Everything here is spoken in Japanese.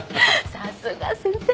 さすが先生。